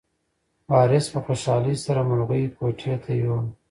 وارث په خوشحالۍ سره مرغۍ کوټې ته یووړه.